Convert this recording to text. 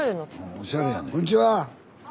うんおしゃれやねん。